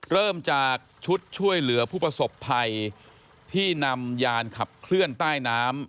เริ่มจากชุดช่วยเหลือผู้ประสบภัยที่นำยานขับเคลื่อนใต้น้ำ